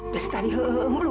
desi tadi he'em melului